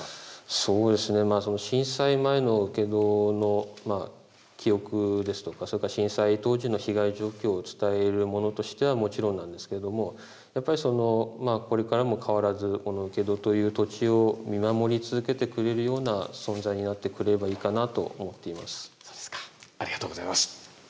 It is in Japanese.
そうですね、震災前の請戸の記憶ですとか、それから震災当時の被害状況を伝えるものとしてはもちろんなんですけれども、やっぱり、これからも変わらず、この請戸という土地を見守り続けてくれるような存在になってくれそうですか、ありがとうございます。